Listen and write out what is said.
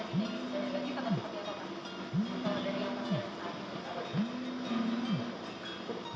kalau dari yang pasien saat ini dijawab